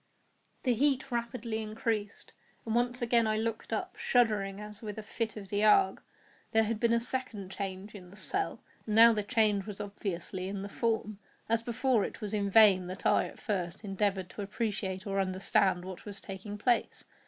The heat rapidly increased, and once again I looked up, shuddering as with a fit of the ague. There had been a second change in the cell—and now the change was obviously in the form. As before, it was in vain that I, at first, endeavoured to appreciate or understand what was taking place.